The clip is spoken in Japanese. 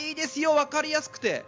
わかりやすくて。